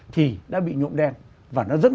thì đã bị nhộn đen và nó dẫn